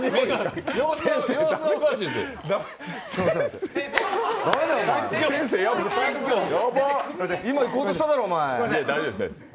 様子がおかしい、様子が。